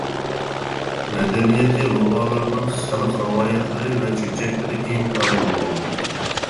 مەدەنىيىتى لوبالارنىڭ خەلق رىۋايەتلىرى ۋە چۆچەكلىرى ئىنتايىن مول.